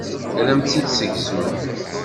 Ad am-tt-id-ssegzunt.